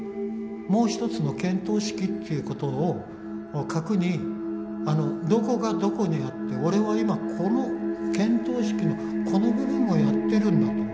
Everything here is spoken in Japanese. もう一つの見当識ということを核にどこがどこにあって俺は今この見当識のこの部分をやってるんだと。